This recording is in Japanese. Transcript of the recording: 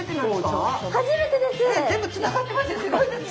全部つながってますよ。